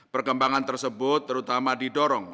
perkembangan tersebut terutama didorong